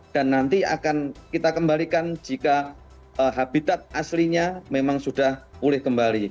dan nanti akan kita kembalikan jika habitat aslinya memang sudah boleh kembali